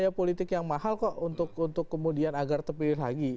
biaya politik yang mahal kok untuk kemudian agar terpilih lagi